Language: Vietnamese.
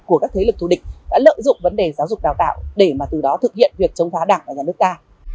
các thế lực thủ địch đã lợi dụng vấn đề giáo dục đào tạo để mà từ đó thực hiện việc chống phá đảng và giả nước ta